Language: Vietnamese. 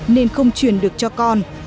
nên không truyền được cho con